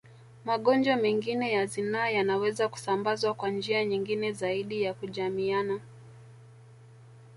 Magonjwa mengine ya zinaa yanaweza kusambazwa kwa njia nyingine zaidi ya kujamiiana